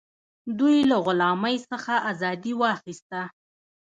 دوی له غلامۍ څخه ازادي واخیسته.